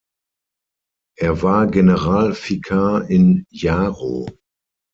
Er war Generalvikar in Jaro.